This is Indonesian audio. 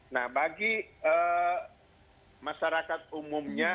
nah bagi masyarakat umumnya